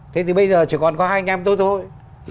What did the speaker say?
thế thì bây giờ chỉ còn có hai anh em tôi thôi